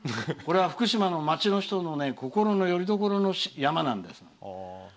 福島の人の心のよりどころの山なんです。